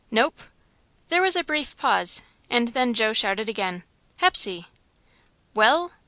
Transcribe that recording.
"Nope!" There was a brief pause, and then Joe shouted again: "Hepsey!" "Well?"